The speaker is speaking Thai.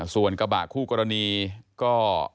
ส่วนกระบะคู่กรณีก็